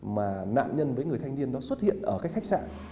mà nạn nhân với người thanh niên đó xuất hiện ở cái khách sạn